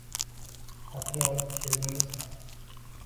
Xokni olib keldingizmi